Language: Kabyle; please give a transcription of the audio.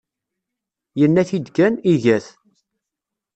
Yenna-t-id kan, iga-t.